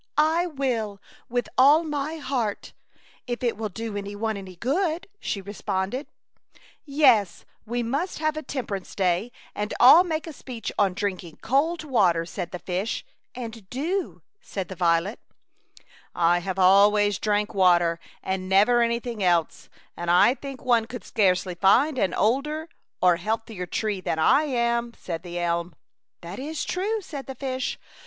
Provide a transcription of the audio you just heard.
I will, with all my heart, if it will do any one any good,'' she re sponded '* Yes, we must have a Temperance Day and all make a speech on drink ing cold water,*' said the fish. " And dew," said the violet. *' I have always drank water, and never anything else, and I think one could scarcely find an older or a healthier tree than I am,'* said the elm. "That is true," said the fish.